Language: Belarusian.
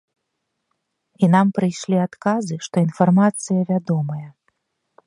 І нам прыйшлі адказы, што інфармацыя вядомая.